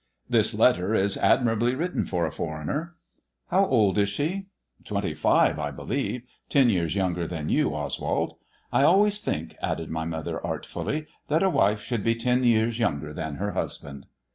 This letter is admirably written for a foreigner." " How old is she 1 "" Twenty five, I believe. Ten years younger than you, Oswald. I always think," added my mother artfully, that a wife should be ten years younger than her husband."